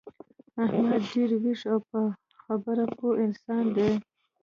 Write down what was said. احمد ډېر ویښ او په خبره پوه انسان دی.